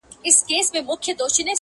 گواکي موږ به تل له غم سره اوسېږو!.